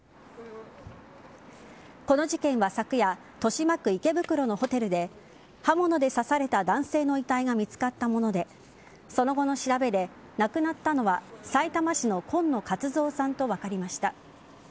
この事件は昨夜豊島区池袋のホテルで刃物で刺された男性の遺体が見つかったものでその後の調べで、亡くなったのはさいたま市の今野勝蔵さんと分かりました。